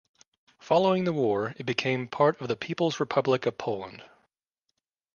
Following the war, it became part of the People's Republic of Poland.